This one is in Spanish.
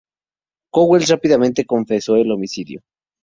Knowles rápidamente confesó el homicidio.